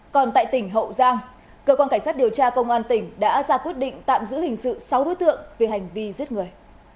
còn tại tỉnh hậu giang cơ quan cảnh sát điều tra công an tỉnh đã ra quyết định tạm giữ hình sự sáu đối tượng về hành vi giết người